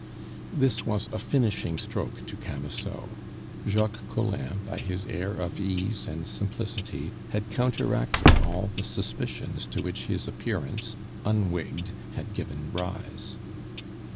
This was a finishing stroke to Camusot: Jacques Collin by his air of ease and simplicity had counteracted all the suspicions to which his appearance, unwigged, had given rise.